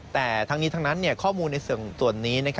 แต่ทั้งนี้ข้อมูลในส่วนนี้